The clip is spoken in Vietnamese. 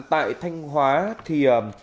tại thanh hóa thì